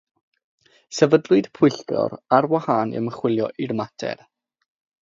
Sefydlwyd pwyllgor ar wahân i ymchwilio i'r mater.